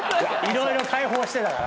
色々解放してたからね。